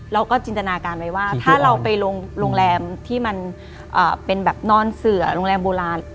จินตนาการไว้ว่าถ้าเราไปโรงแรมที่มันเป็นแบบนอนเสือโรงแรมโบราณ